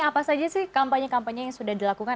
apa saja sih kampanye kampanye yang sudah dilakukan